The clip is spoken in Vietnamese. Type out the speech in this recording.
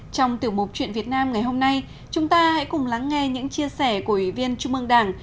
trong tiểu mục chuyện việt nam ngày hôm nay chúng ta hãy cùng lắng nghe những chia sẻ của ủy viên trung ương đảng